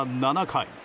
７回。